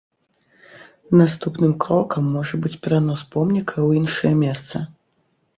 Наступным крокам можа быць перанос помніка ў іншае месца.